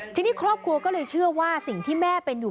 ทีนี้ครอบครัวก็เลยเชื่อว่าสิ่งที่แม่เป็นอยู่